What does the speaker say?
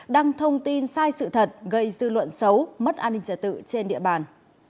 đăng thông tin sai sự thật gây dư luận xấu mất an ninh trả tự trên địa bàn